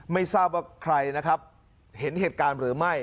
ไม่ทราบว่าใครนะครับเห็นเหตุการณ์หรือไม่